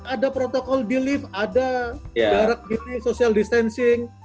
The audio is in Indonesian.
ada protokol belief ada jarak gini social distancing